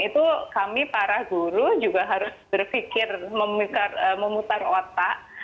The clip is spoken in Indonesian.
itu kami para guru juga harus berpikir memutar otak